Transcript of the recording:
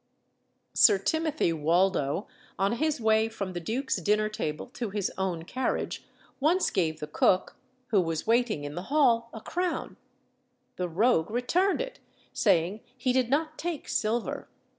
Sir Timothy Waldo, on his way from the duke's dinner table to his own carriage, once gave the cook, who was waiting in the hall, a crown. The rogue returned it, saying he did not take silver.